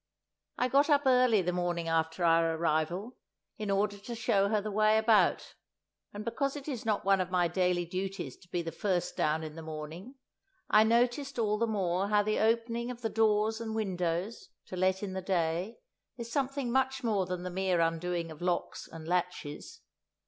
I got up early the morning after our arrival, in order to show her the way about, and because it is not one of my daily duties to be the first down in the morning, I noticed all the more how the opening of the doors and windows, to let in the day, is something much more than the mere undoing of locks and latches.